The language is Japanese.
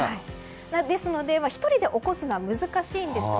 ですので、１人で起こすのは難しいんですが。